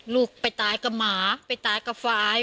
ลูกไปตายกับหมาไปตายกับฝ่าย